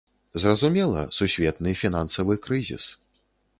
Зразумела, сусветны фінансавы крызіс.